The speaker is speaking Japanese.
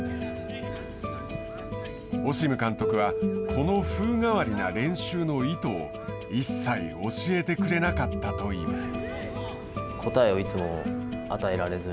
オシム監督はこの風変わりな練習の意図を一切教えてくれなかったといいます。